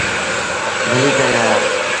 ڀليٚ ڪري آيآ۔